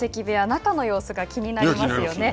中の様子が気になりますよね。